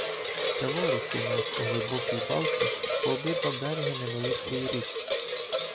Село розкинулося у глибокій балці по обидва береги невеличкої річки.